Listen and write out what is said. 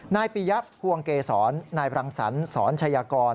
นายปียะฮวงเกศรนายพรังศรศรชยกร